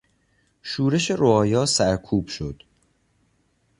شورش رعایا سرکوب شد.